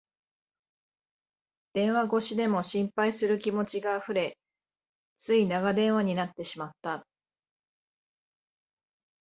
電話越しでも心配する気持ちがあふれ、つい長電話になってしまった